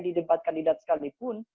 di debat kandidat sekalipun